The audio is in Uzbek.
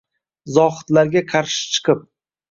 Zohidlarga qarshi chiqib